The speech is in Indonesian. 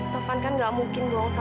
tovan kan gak mungkin bawa aku ke sana